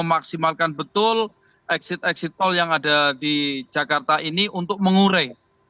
memaksimalkan betul exit exit tol yang ada di jakarta ini untuk mengurai